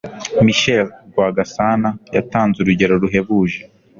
michel rwagasana yatanze urugero ruhebuje